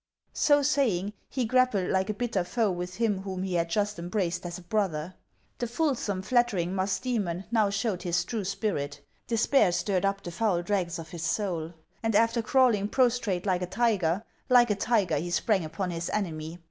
So saying, he grappled like a bitter foe with him whom he had just embraced as a brother : the fulsome, flattering Musdomion now showed his true spirit. Despair stirred up the foul dregs of his soul ; and after crawling prostrate like a tiger, like a tiger he sprang upon his enemy.